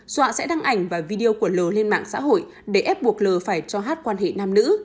dọa sẽ đăng ảnh và video của lồ lên mạng xã hội để ép buộc lờ phải cho hát quan hệ nam nữ